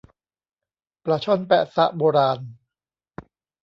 ปลาช่อนแป๊ะซะโบราณ